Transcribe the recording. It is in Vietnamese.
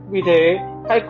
vì thế thay cô